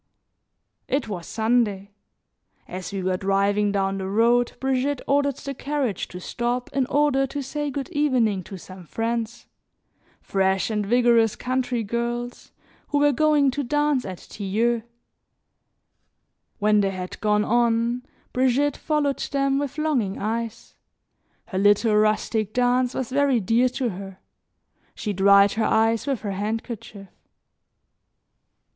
It was Sunday; as we were driving down the road, Brigitte ordered the carriage to stop in order to say good evening to some friends, fresh and vigorous country girls, who were going to dance at Tilleuls. When they had gone on Brigitte followed them with longing eyes; her little rustic dance was very dear to her; she dried her eyes with her handkerchief.